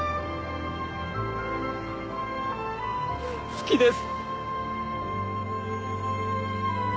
好きです！